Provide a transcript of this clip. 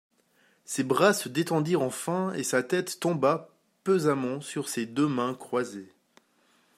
Ses bras se détendirent enfin et sa tête tomba pesamment sur ses deux mains croisées.